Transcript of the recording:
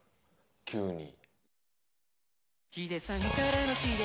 急に。